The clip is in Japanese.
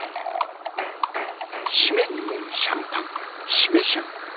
〆に飲むシャンパン〆シャン。